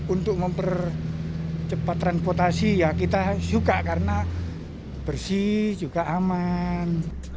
untuk mempercepat transportasi ya kita suka karena bersih juga aman